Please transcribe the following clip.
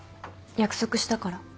約束したから。